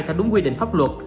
theo đúng quy định pháp luật